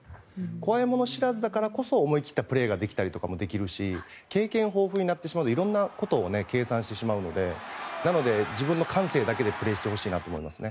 怖いもの知らずだからこそ思い切ったプレーもできるし経験豊富になってしまうといろんなことを計算してしまうので自分の感性だけでプレーしてほしいなと思いますね。